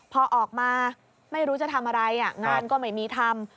พอออกมาไม่รู้จะทำอะไรงานก็ไม่มีทำ